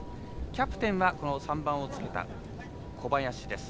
キャプテンは３番をつけた小林です。